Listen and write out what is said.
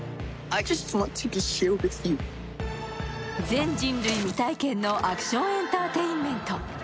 全人類未経験のアクションエンターテインメント。